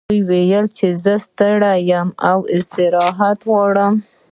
هغې وویل چې زه ستړې یم او استراحت غواړم